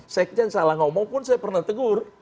sekjen salah ngomong pun saya pernah tegur